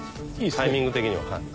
タイミング的には。